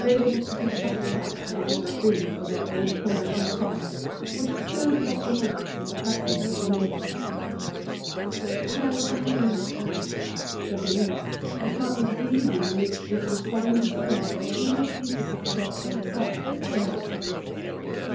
They would have put the shutters up had it not been for their old commercial pride, which still propped them up in the presence of the neighborhood. "Well, I'll go up, aunt," said Denise, whose heart was bleeding, amidst this resigned despair that even the pieces of cloth themselves exhaled.